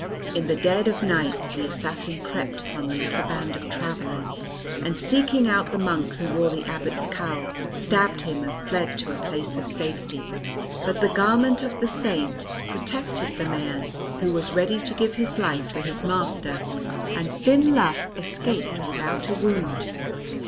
In the dead of night the assassin crept upon the little band of travellers, and, seeking out the monk who wore the abbot's cowl, stabbed him, and fled to a place of safety. But the garment of the Saint protected the man who was ready to give his life for his master, and Finn Lugh escaped without a wound.